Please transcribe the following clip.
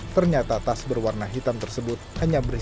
ternyata tas berwarna hitam tersebut hanya berisi